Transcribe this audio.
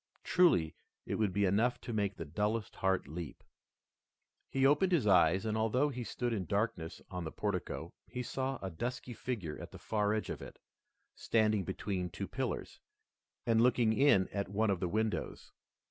Truly it would be enough to make the dullest heart leap. He opened his eyes, and although he stood in darkness on the portico, he saw a dusky figure at the far edge of it, standing between two pillars, and looking in at one of the windows.